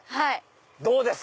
どうです？